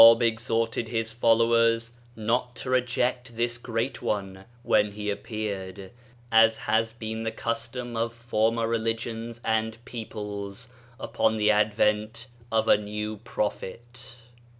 The Bab constantly exhorted his followers not to reject this Great One when he appeared, as has been the custom of former religions and peoples upon the advent of a new prophet.